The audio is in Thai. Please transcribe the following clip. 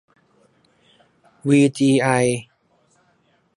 วีจีไอ